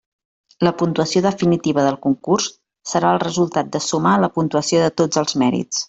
La puntuació definitiva del concurs serà el resultat de sumar la puntuació de tots els mèrits.